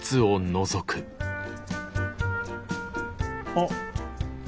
あっ。